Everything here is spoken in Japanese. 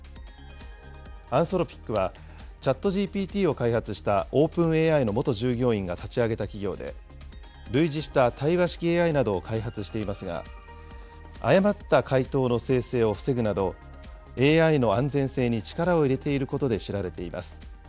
アンソロピックは、ＣｈａｔＧＰＴを開発したオープンＡＩの元従業員が立ち上げた企業で、類似した対話式ＡＩなどを開発していますが、誤った回答の生成を防ぐなど、ＡＩの安全性に力を入れていることで知られています。